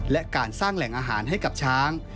และการสร้างแหล่งอาหารให้กับช้าง